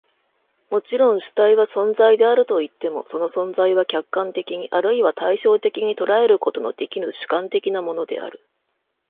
もちろん、主体は存在であるといっても、その存在は客観的に或いは対象的に捉えることのできぬ主観的なものである。